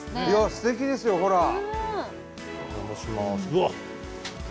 いやすてきですよほら。